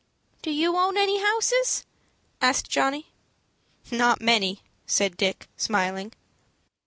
"Do you own any houses?" asked Johnny. "Not many," said Dick, smiling.